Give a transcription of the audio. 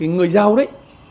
người giao đấy